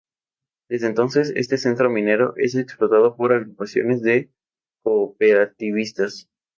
Desde entonces, este centro minero es explotado por agrupaciones de cooperativistas.